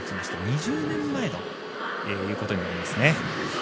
２０年前ということになりますね。